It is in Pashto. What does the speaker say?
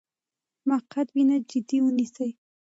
مقعد وینه جدي ونیسئ.